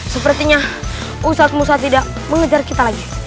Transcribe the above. sepertinya usaha usaha tidak mengejar kita lagi